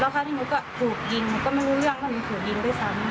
แล้วคราวนี้หนูก็ถูกยิงหนูก็ไม่รู้เรื่องแล้วหนูถูกยิงไปซ้ำ